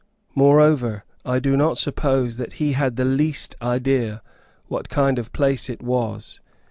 Moreover, I do not suppose that he had the least idea what kind of a place it was.